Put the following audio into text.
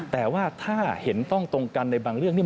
แต่ว่าถ้าเห็นต้องตรงกันในบางเรื่องนี่